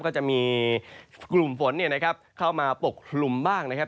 ก็จะมีกลุ่มฝนเนี่ยนะครับเข้ามาปกลุ่มบ้างนะครับ